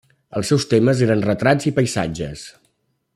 Els seus temes eren retrats i paisatges.